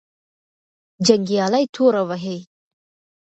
جنګیالي توره وهې.